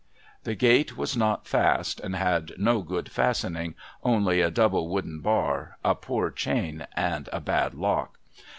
The gate was not fast, and had no good fastening : only a double wooden bar, a poor chain, and a bad lock.